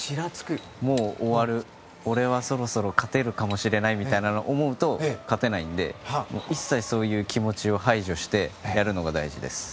もう終わる、俺はそろそろ勝てるかもしれないと思うと勝てないので一切そういう気持ちを排除してやるのが大事です。